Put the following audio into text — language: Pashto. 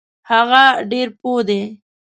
هغه ډیر پوه دی.